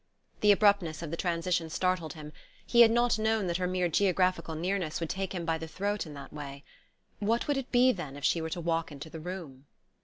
The abruptness of the transition startled him; he had not known that her mere geographical nearness would take him by the throat in that way. What would it be, then, if she were to walk into the room?